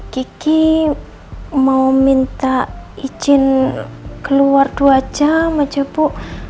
kiki mau minta izin keluar dua jam aja bu